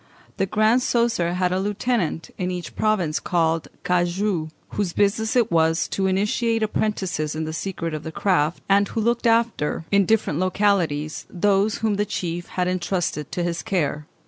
The Grand Coesre had a lieutenant in each province called cagou, whose business it was to initiate apprentices in the secrets of the craft, and who looked after, in different localities, those whom the chief had entrusted to his care.